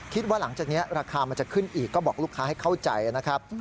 คิดว่าหลังจากนี้ราคามันจะขึ้นอีกก็บอกลูกค้าให้เข้าใจนะครับ